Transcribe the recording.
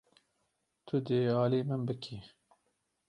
Tu dê alî min bikî.